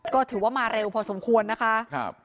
ก็ถือว่ามาเร็วพอสมควรนะคะ